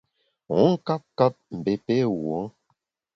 Wu nkap kap, mbé pé wuo ?